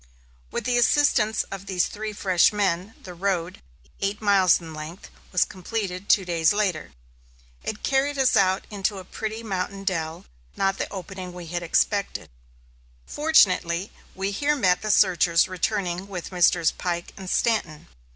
With the assistance of these three fresh men, the road, eight miles in length, was completed two days later. It carried us out into a pretty mountain dell, not the opening we had expected. Fortunately, we here met the searchers returning with Messrs. Pike and Stanton.